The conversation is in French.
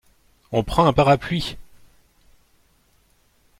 On prend un parapluie !